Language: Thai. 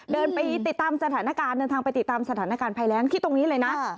เดินไปติดตามสถานการณ์เดินทางไปติดตามสถานการณ์ภัยแรงที่ตรงนี้เลยนะ